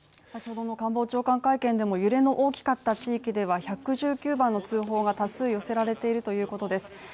先ほどの官房長官会見でも揺れの大きかった地域では１１９番の通報が多数寄せられているということです。